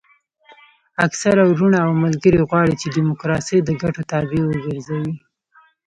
اکثره وروڼه او ملګري غواړي چې ډیموکراسي د ګټو تابع وګرځوي.